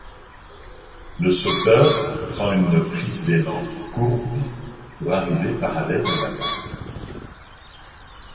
Le sauteur prend une prise d'élan courbe pour arriver parallèle à la barre.